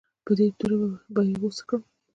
په دې توره به یې غوڅه کړم.